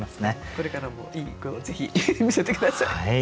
これからもいい句をぜひ見せて下さい。